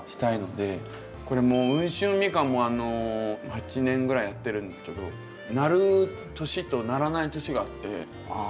これもウンシュウミカンも８年ぐらいやってるんですけどなる年とならない年があって。